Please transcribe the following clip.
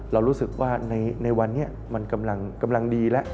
เรารู้สึกว่าในวันนี้มันกำลังดีแล้ว